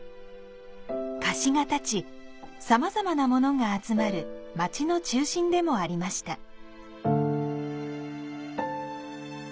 河岸が立ち、様々なものが集まる町の中心でもありました。